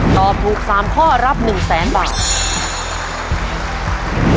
ตอบถูก๓ข้อรับ๑๐๐๐๐๐บาท